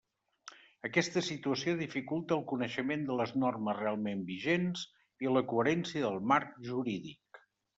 Aquesta situació dificulta el coneixement de les normes realment vigents i la coherència del marc jurídic.